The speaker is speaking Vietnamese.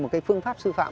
một phương pháp sư phạm